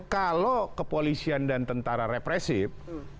kalau kepolisian dan tentara represif